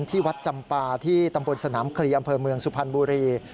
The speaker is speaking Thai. ที่วัดจำปาที่ตำบลสนามคลีอำเภอเมืองสุพรรณบุรี